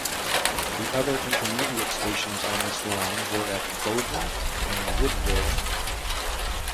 The other intermediate stations on this line were at Bowden and Woodville.